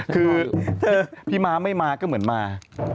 คือพี่ม้าไม่มาก็เหมือนมา